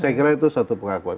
saya kira itu satu pengakuan